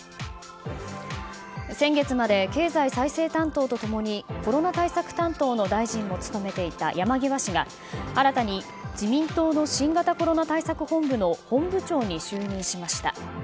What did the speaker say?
先月まで経済再生担当と共にコロナ対策担当の大臣も務めていた山際氏が新たに自民党の新型コロナ対策本部の本部長に就任しました。